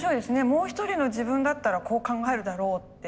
もう一人の自分だったらこう考えるだろうって。